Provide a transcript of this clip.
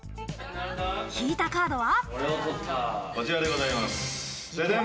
引いたカードは。